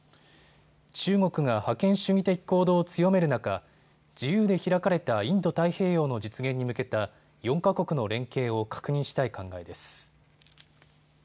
中国が覇権主義的行動を強める中、自由で開かれたインド太平洋の実現に向けた４か国の連携を確認したい考えです。